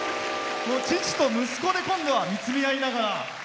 父と息子で見つめあいながら。